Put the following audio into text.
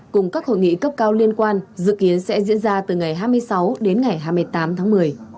cùng các hội nghị cấp cao liên quan dự kiến sẽ diễn ra từ ngày hai mươi sáu đến ngày hai mươi tám tháng một mươi